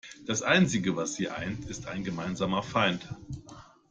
Das einzige, was sie eint, ist ein gemeinsamer Feind.